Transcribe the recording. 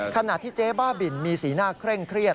ขณะที่เจ๊บ้าบินมีสีหน้าเคร่งเครียด